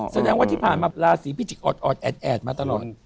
แสดงว่าที่ผ่านมาราศีพิจิกษอดแอดมาตลอด